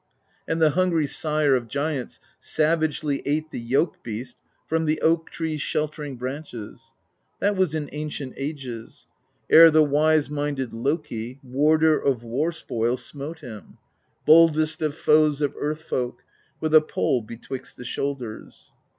And the hungry Sire of Giants Savagely ate the yoke beast From the oak tree's sheltering branches. That was in ancient ages, — Ere the wise minded Loki, Warder of war spoil, smote him, Boldest of foes of Earth Folk, With a pole betwixt the shoulders.